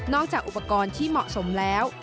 จากอุปกรณ์ที่เหมาะสมแล้ว